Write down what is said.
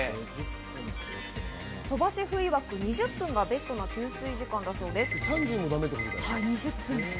鳥羽シェフいわく、２０分がベストな吸水時間だそうです。